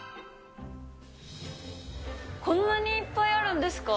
こんなにいっぱいあるんですか！